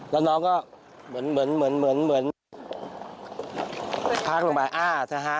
แล้วน้องก็เหมือนพักลงไปอ้าวเธอฮะ